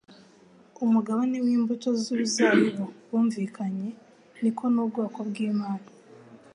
umugabane w'imbuto z'uruzabibu bumvikanye, niko n'ubwoko bw'Imana